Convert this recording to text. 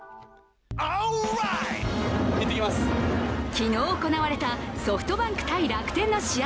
昨日行われたソフトバンク×楽天の試合